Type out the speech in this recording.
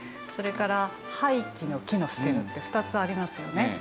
それから廃棄の棄の「棄てる」って２つありますよね。